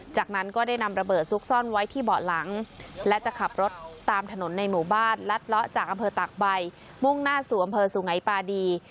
จากนั้นก็ได้นำระเบิดซุกซ่อนไว้ที่เบาะหลังและจะขับรถตามถนนในหมู่บ้านลัดเลาะจากอำเภอตากใบมุ่งหน้าสู่อำเภอสุงัยปาดี